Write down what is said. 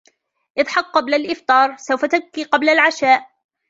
إضحك قبل الإفطار, سوف تبكي قبل العشاء.